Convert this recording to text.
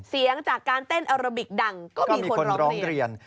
เสียงจากการเต้นอาราบิกดังก็มีคนร้องเรียน